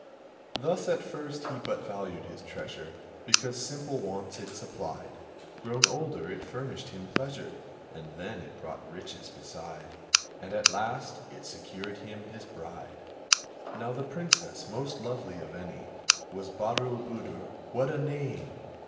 Thus at first he but valued his treasure Because simple wants it supplied. Grown older it furnished him pleasure; And then it brought riches beside; And, at last, it secured him his bride. Now the Princess most lovely of any Was Badroulboudour, (what a name!)